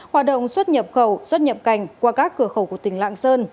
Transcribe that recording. hoạt động xuất nhập khẩu xuất nhập cảnh qua các cửa khẩu của tỉnh lạng sơn